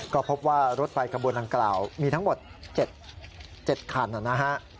ก็พบว่ารถไฟขบวนดังกล่าวมีทั้งหมด๗คันนะฮะ